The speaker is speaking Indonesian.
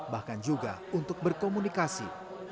bahkan juga untuk berkomunikasi